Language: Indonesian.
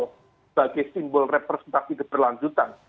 sebagai simbol representasi keberlanjutan